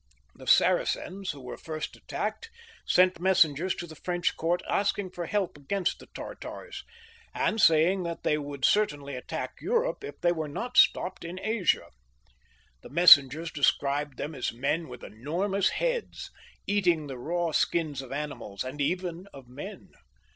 The Saracens, who were first attacked, sent messengers to the French court asking for help against the Tartars, and saying that they would cer tainly attack Europe if they were not stopped in Asia. The messengers described them as men with enormous heads, eating the raw skins of animals, and even of men.